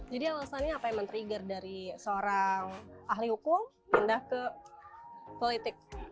jadi alasannya apa yang men trigger dari seorang ahli hukum pindah ke politik